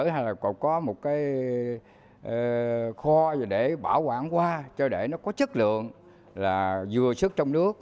hay là còn có một cái kho để bảo quản hoa cho để nó có chất lượng là vừa sức trong nước